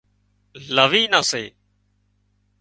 لوِي نان سي